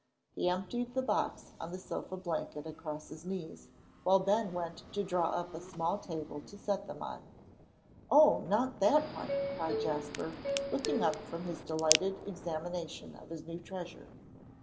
He emptied the box on the sofa blanket across his knees, while Ben went to draw up a small table to set them on. "Oh, not that one," cried Jasper, looking up from his delighted examination of his new treasure.